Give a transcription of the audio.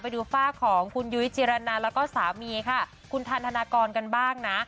ไปดูฝ้าของคุณยุ้ยจิรณาแล้วก็สามีค่ะคุณทันธนากรกันบ้างนะ